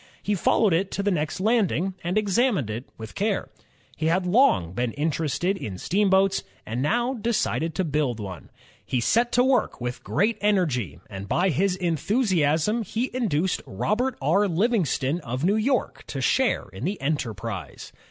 He followed it to the next landing and examined it with care. He had long been interested in steamboats and now de cided to build one. He set to work with great energy, and by his enthusiasm he induced Robert R. Livingston of New York to share in the enterprise.